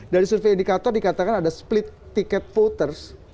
dari survei indikator dikatakan ada split tiket voters